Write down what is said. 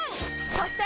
そして！